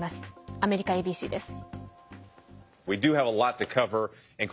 アメリカＡＢＣです。